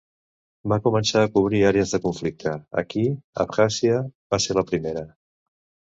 Va començar a cobrir àrees de conflicte, aquí, Abkhàzia va ser la primera.